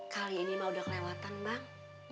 kali ini mah udah kelewatan bang